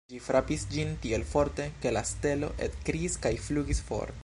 Ĝi frapis ĝin tiel forte, ke la stelo ekkriis kaj flugis for.